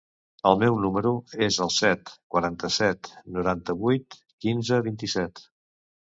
El meu número es el set, quaranta-set, noranta-vuit, quinze, vint-i-set.